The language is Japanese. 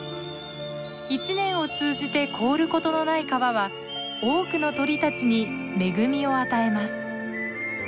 一年を通じて凍ることのない川は多くの鳥たちに恵みを与えます。